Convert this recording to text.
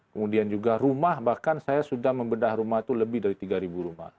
kemudian juga rumah bahkan saya sudah membedah rumah itu lebih dari tiga rumah